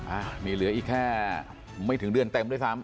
อ่ะนี่เหลืออีกแค่ไม่ถึงเดือนเต็มด้วยซ้ำ